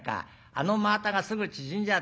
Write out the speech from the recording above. あの真綿がすぐ縮んじゃう。